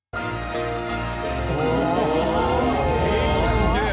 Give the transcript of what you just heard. すげえ！